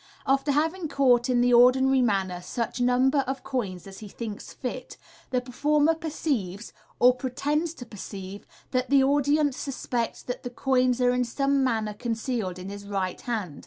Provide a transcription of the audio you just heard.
After having caught in the ordinary manner such number of coins as he thinks fit, the per former perceives, or pretends to perceive, that the audience suspect that the coins are in some manner concealed in his right hand.